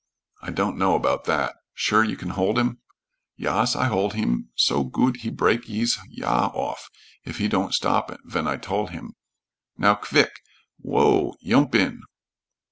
"I don't know about that. Sure you can hold him?" "Yas, I hol' heem so goot he break hee's yaw off, if he don't stop ven I tol' heem. Now, quvick. Whoa! Yoomp in."